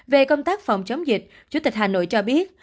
về công tác phòng chống dịch chủ tịch hà nội cho biết